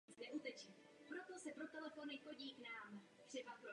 Na jeho svazích jsou četné rozptýlené sutě a menší skalní výchozy.